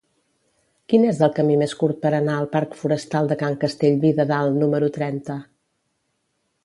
Quin és el camí més curt per anar al parc Forestal de Can Castellví de Dalt número trenta?